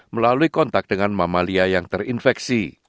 melalui kontak dengan mamalia yang terinfeksi